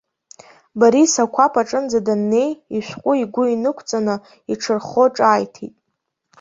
Борис акәаԥ аҿынӡа даннеи, ишәҟәы игәы инықәҵаны иҽырххо ҿааиҭит.